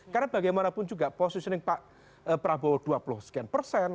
karena bagaimanapun juga positioning pak prabowo dua puluh sekian persen